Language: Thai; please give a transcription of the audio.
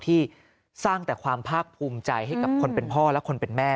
ที่สร้างแต่ความภาคภูมิใจให้กับคนเป็นพ่อและคนเป็นแม่